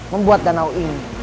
membuat danau ini